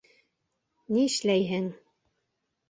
Нишләйһең...